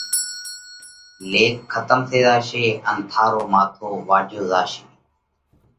ليک کتم ٿي زاشي ان ٿارو ماٿو واڍيو زاشي۔